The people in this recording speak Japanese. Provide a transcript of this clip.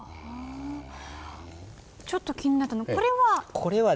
ちょっと気になったのはこれは？